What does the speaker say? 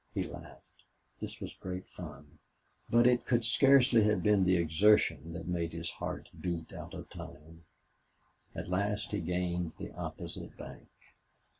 He laughed. This was great fun. But it could scarcely have been the exertion that made his heart beat out of time. At last he gained the opposite bank.